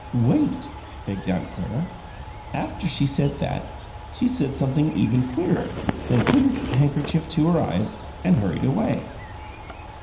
"Wait!" begged Aunt Clara. "After she said that, she said something even queerer, and then put her handkerchief to her eyes and hurried away."